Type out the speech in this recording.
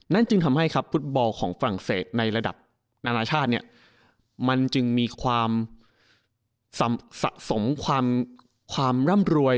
นั่นจึงทำให้ฟุตบอลของฝรั่งเศสในระดับนานาชาติมันจึงมีความสะสมความร่ำรวย